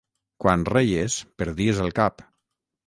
Quan reies perdies el cap.